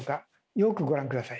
よくご覧下さい。